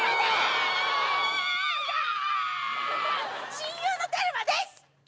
親友のテルマです！